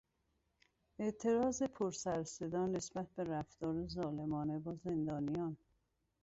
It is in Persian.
اعتراض پر سر و صدا نسبت به رفتار ظالمانه با زندانیان